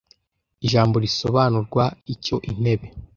ijambo risobanurwa icyo Intebe